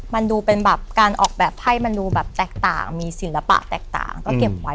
มันดูเป็นแบบการออกแบบไพ่มันดูแบบแตกต่างมีศิลปะแตกต่างก็เก็บไว้